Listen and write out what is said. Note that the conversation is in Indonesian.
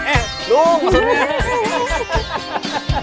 eh duduk maksudnya